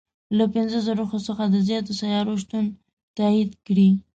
له پنځه زرو څخه د زیاتو سیارو شتون تایید کړی.